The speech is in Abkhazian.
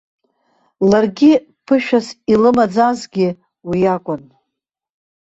Ларгьы ԥышәас илымаӡазгьы уи акәын.